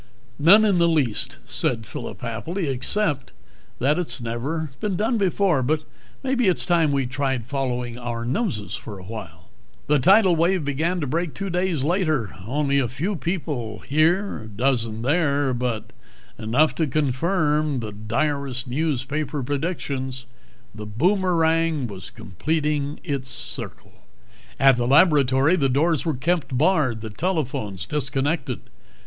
"None in the least," said Phillip happily, "except that it's never been done before. But maybe it's time we tried following our noses for a while." The tidal wave began to break two days later ... only a few people here, a dozen there, but enough to confirm the direst newspaper predictions. The boomerang was completing its circle. At the laboratory the doors were kept barred, the telephones disconnected.